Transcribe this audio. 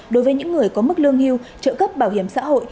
đối với những người có mức lương hưu trợ cấp bảo hiểm xã hội